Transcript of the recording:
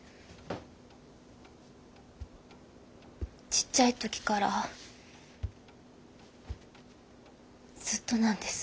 ちっちゃい時からずっとなんです。